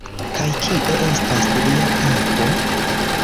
Kaj kie estas lia kapo?!